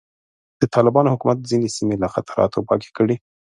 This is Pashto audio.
د طالبانو حکومت ځینې سیمې له خطراتو پاکې کړې.